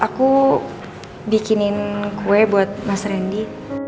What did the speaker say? aku bikinin kue buat mas randy